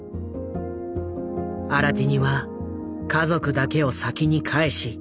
アラティニは家族だけを先に帰し